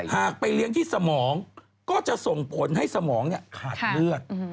ไปเลี้ยงที่สมองก็จะส่งผลให้สมองขาดเลือด